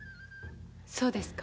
そうですか。